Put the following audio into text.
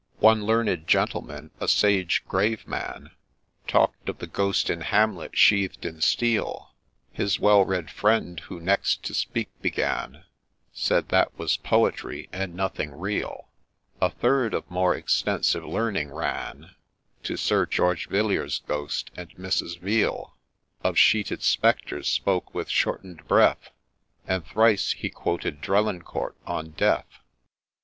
One learned gentleman, ' a sage, grave man,' Talk'd of the Ghost in Hamlet, ' sheath'd in steel ;'— His well read friend, who next to speak began, Said, ' That was Poetry, and nothing real ;' A third, of more extensive learning, ran To Sir George Villiers' Ghost, and Mrs. Veal ; Of sheeted Spectres spoke with shorten'd breath, And thrice he quoted ' Drelincourt on Death.'